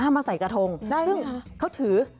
มาใส่กระทงซึ่งเขาถือ